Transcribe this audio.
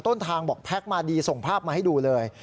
ต้นทางบอกแพ็คมาดีส่งภาพมาให้ดูเลย